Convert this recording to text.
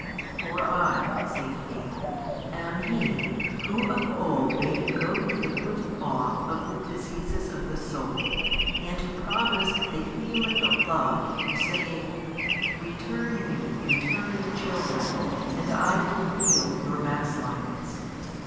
For I (saith He) am He Who of old bade go to the putting off of the diseases of the soul and Who promised the healing of love through saying, Return ye returning children and I will heal your backslidings.